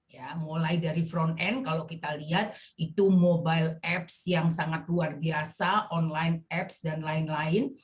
ya mulai dari front end kalau kita lihat itu mobile apps yang sangat luar biasa online apps dan lain lain